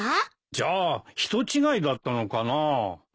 じゃあ人違いだったのかな。